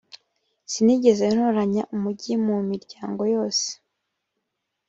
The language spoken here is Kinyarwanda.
sinigeze ntoranya umugi mu miryango yose